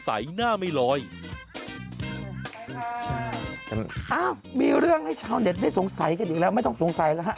อ้าวมีเรื่องให้ชาวเน็ตได้สงสัยกันอีกแล้วไม่ต้องสงสัยแล้วฮะ